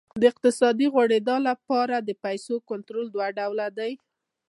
د اقتصادي غوړېدا لپاره پیسو کنټرول دوه ډوله دی.